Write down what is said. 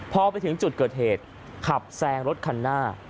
พอไปถึงจุดเกิดเหตุขับแซงรถคันหน้า